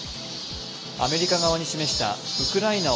アメリカ側に示したウクライナー